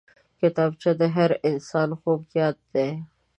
کتابچه د هر انسان خوږ یاد دی